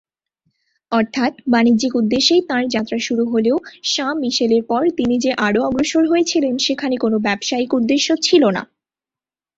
অর্থাৎ, বাণিজ্যিক উদ্দেশ্যেই তাঁর যাত্রা শুরু হলেও সাঁ-মিশেলের পর তিনি যে আরও অগ্রসর হয়েছিলেন, সেখানে কোনও ব্যবসায়িক উদ্দেশ্য ছিল না।